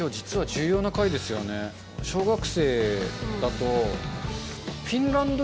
小学生だと。